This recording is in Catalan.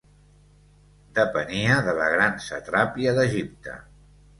Depenia de la gran satrapia d'Egipte.